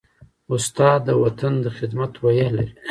استاد د وطن د خدمت روحیه لري.